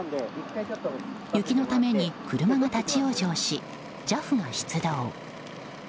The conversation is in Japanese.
雪のために車が立ち往生しＪＡＦが出動。